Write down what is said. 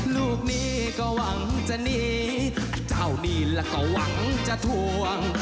ลูกนี้ก็หวังจะหนีเจ้านี่แล้วก็หวังจะทวง